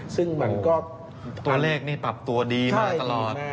ซึ่งมันก็ตัวเลขนี่ปรับตัวดีมาตลอด